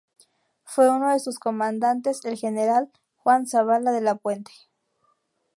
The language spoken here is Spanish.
Fue uno de sus comandantes el general Juan Zabala de la Puente.